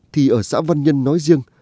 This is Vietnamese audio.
thì ở xã văn nhân nói riêng